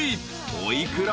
お幾ら？］